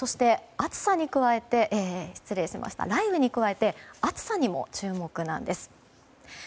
そして、雷雨に加えて暑さにも注目なんです。